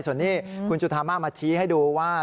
ส่วนนี้คุณจุธามาชี้ให้ดูว่า